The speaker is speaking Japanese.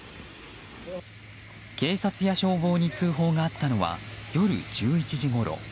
警察や消防に通報があったのは夜１１時ごろ。